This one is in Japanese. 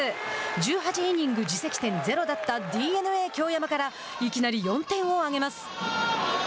１８イニング自責点ゼロだったＤｅＮＡ京山からいきなり４点を上げます。